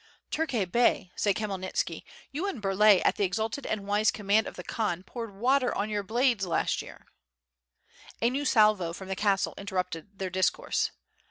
WITH FIRE AND SWORD. jqi "Tukhay Bey," said Khmyelnitski, "you and Burlay at the exalted and wise command of the Khan poured water on your blades last year." A new salvo from the castle interrupted their discourse.